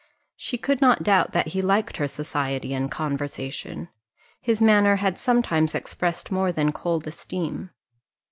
She could not doubt that he liked her society and conversation; his manner had sometimes expressed more than cold esteem.